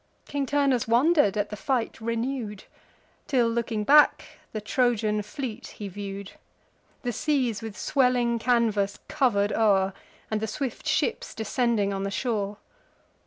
King Turnus wonder'd at the fight renew'd, Till, looking back, the Trojan fleet he view'd, The seas with swelling canvas cover'd o'er, And the swift ships descending on the shore.